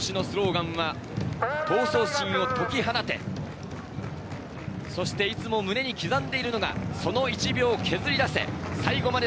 今年のスローガンは「闘争心を解き放て」、そしていつも胸に刻んでいるのが、「その１秒を削り出せ」。